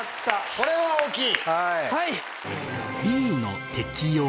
これは大きい。